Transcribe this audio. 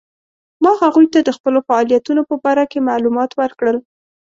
ما هغوی ته د خپلو فعالیتونو په باره کې معلومات ورکړل.